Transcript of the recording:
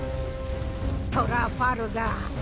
トラファルガー。